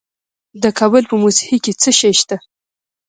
د کابل په موسهي کې څه شی شته؟